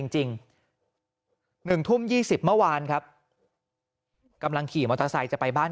จริง๑ทุ่ม๒๐เมื่อวานครับกำลังขี่มอเตอร์ไซค์จะไปบ้าน